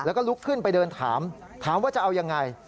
แล้วก็ลุกขึ้นไปเดินถามถามว่าจะเอายังไง